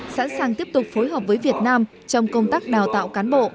sẵn sàng tiếp tục phối hợp với việt nam trong công tác đào tạo cán bộ